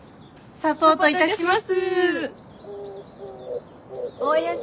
サポートいたします。